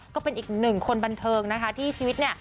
ก็เป็นอีกหนึ่งคนบันเทิงนะคะที่ชีวิตเนี่ย